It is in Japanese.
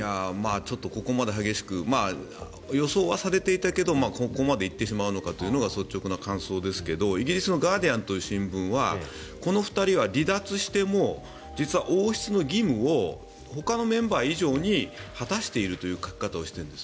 ここまで激しく予想はされていたけどここまで行ってしまうのかというのが率直な感想ですがイギリスのガーディアンという新聞はこの２人は離脱しても実は王室の義務をほかのメンバー以上に果たしているという書き方をしているんです。